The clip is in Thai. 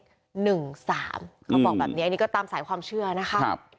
เขาบอกแบบนี้อันนี้ก็ตามสายความเชื่อนะคะ